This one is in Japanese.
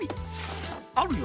あるよ